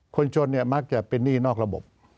คนชนมักจะเป็นหนี้นอกระบบ